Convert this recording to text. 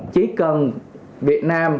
chỉ cần việt nam